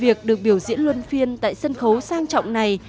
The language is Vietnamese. việc được biểu diễn luân phiên tại sân khấu sang trọng này